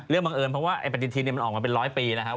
เรื่องบังเอิญเพราะว่าปฏิเสธมันออกมาเป็นร้อยปีแล้วครับ